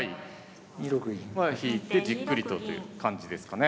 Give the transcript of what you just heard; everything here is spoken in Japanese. ２六銀。は引いてじっくりとという感じですかね。